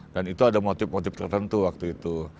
dan itu ada motif motif tertentu waktu itu